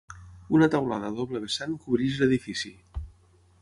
Una teulada a doble vessant cobreix l'edifici.